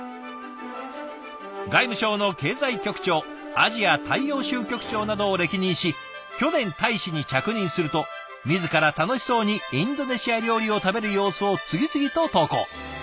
外務省の経済局長アジア大洋州局長などを歴任し去年大使に着任すると自ら楽しそうにインドネシア料理を食べる様子を次々と投稿。